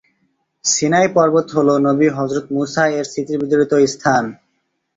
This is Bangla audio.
সিনাই পর্বত হলো নবী হযরত মুসা এর স্মৃতিবিজড়িত স্থান।